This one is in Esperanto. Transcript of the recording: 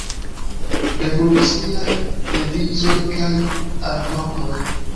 Revoluciaj devizoj kaj alvokoj.